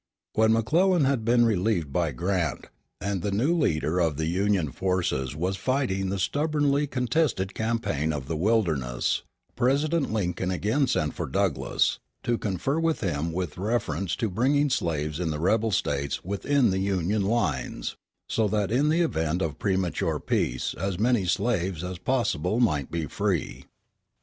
When McClellan had been relieved by Grant, and the new leader of the Union forces was fighting the stubbornly contested campaign of the Wilderness, President Lincoln again sent for Douglass, to confer with him with reference to bringing slaves in the rebel States within the Union lines, so that in the event of premature peace as many slaves as possible might be free.